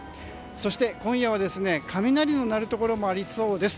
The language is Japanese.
そして今夜は雷の鳴るところもありそうです。